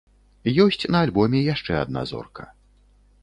Ёсць на альбоме яшчэ адна зорка.